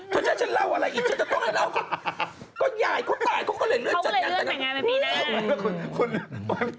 ก็จะต้องบอกให้ฉันทำท่าอะไร